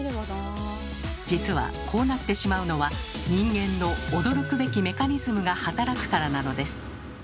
実はこうなってしまうのは人間の驚くべきメカニズムが働くからなのです。